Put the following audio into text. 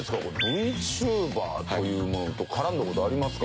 ＶＴｕｂｅｒというものと絡んだ事ありますか？